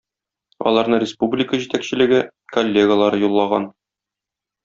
Аларны республика җитәкчелеге, коллегалары юллаган.